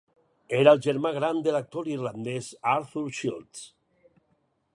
Era el germà gran de l'actor irlandès Arthur Shields.